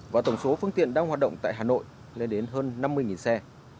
và tổng số phương tiện đang hoạt động tại hà nội lên đến hơn năm mươi xe